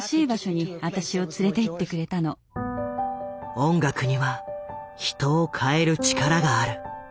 音楽には人を変える力がある。